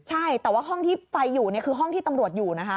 ใช่แต่ว่าห้องที่ไฟอยู่เนี่ยคือห้องที่ตำรวจอยู่นะคะ